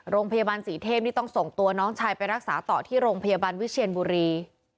โรงพยาบาลศรีเทพนี่ต้องส่งตัวน้องชายไปรักษาต่อที่โรงพยาบาลวิเชียนบุรี